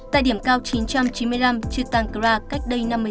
tại điểm cao chín trăm chín mươi năm chutang kra cách đây năm mươi sáu năm